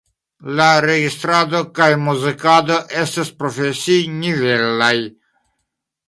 La registrado kaj muzikado estas profesinivelaj.